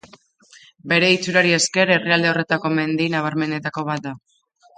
Bere itxurari esker herrialde horretako mendi nabarmenetako bat da.